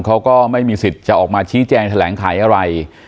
เขาก็ไม่มีสิทธิ์จะออกมาชี้แจงแถลงไขอะไร